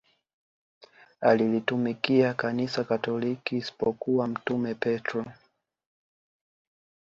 alilitumikia kanisa katoliki isipokuwa mtume petro